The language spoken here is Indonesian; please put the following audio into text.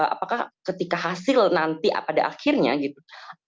apakah ketika hasil nanti pada akhirnya gitu